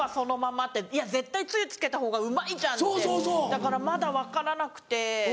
だからまだ分からなくて。